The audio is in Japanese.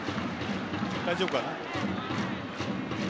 大丈夫かな。